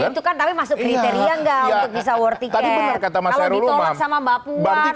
ya itu kan tapi masuk kriteria nggak untuk bisa war ticket